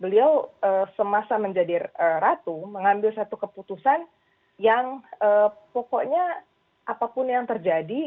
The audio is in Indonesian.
beliau semasa menjadi ratu mengambil satu keputusan yang pokoknya apapun yang terjadi